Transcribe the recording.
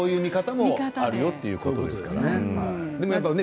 そういう見方もあるということですよね。